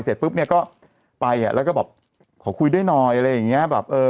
เสร็จปุ๊บก็ไปแล้วก็บอกขอคุยด้วยหน่อยอะไรอย่างนี้